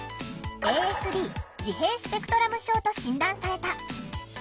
ＡＳＤ自閉スペクトラム症と診断された。